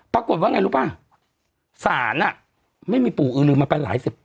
ปรากฏว่าไงรู้ป่ะศาลอ่ะไม่มีปู่อือลืมมาไปหลายสิบ